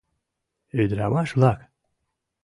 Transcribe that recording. Ӱдырамаш-влак!